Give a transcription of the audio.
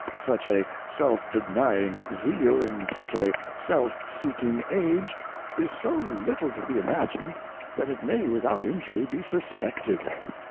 Such a self denying Zeal in such a self seeking Age, is so little to be imagin'd, that it may without injury be suspected.